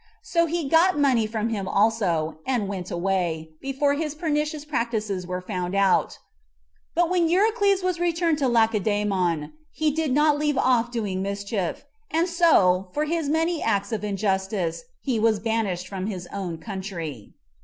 So he got money from him also, and went away, before his pernicious practices were found out; but when Eurycles was returned to Lacedemon, he did not leave off doing mischief; and so, for his many acts of injustice, he was banished from his own country.